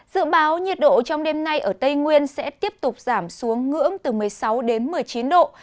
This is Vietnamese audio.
dự báo nhiệt độ trong đêm nay ở tây nguyên sẽ tiếp tục giảm xuống ngưỡng từ một mươi sáu đến một mươi chín độ